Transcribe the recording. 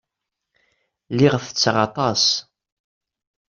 Lliɣ ttetteɣ aṭas.